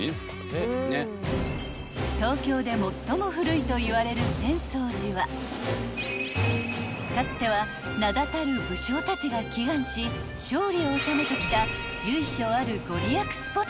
［東京で最も古いといわれる浅草寺はかつては名だたる武将たちが祈願し勝利を収めてきた］